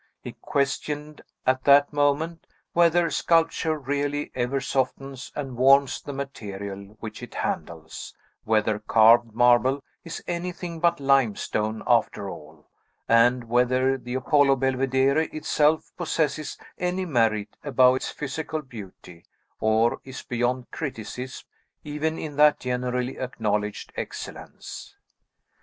He questioned, at that moment, whether sculpture really ever softens and warms the material which it handles; whether carved marble is anything but limestone, after all; and whether the Apollo Belvedere itself possesses any merit above its physical beauty, or is beyond criticism even in that generally acknowledged excellence.